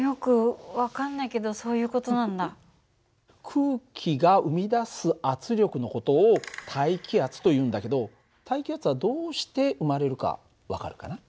空気が生み出す圧力の事を大気圧というんだけど大気圧はどうして生まれるか分かるかな？